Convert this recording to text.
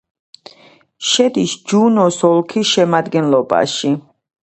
შედის ჯუნოს ოლქის შემადგენლობაში.